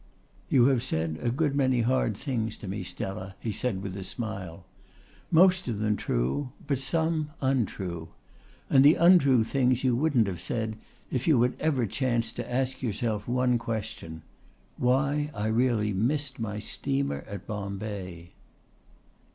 "You have said a good many hard things to me, Stella," he said with a smile "most of them true, but some untrue. And the untrue things you wouldn't have said if you had ever chanced to ask yourself one question: why I really missed my steamer at Bombay."